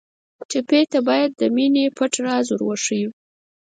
ټپي ته باید د مینې پټ راز ور وښیو.